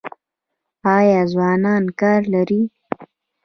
آیا ځوانان کار لري؟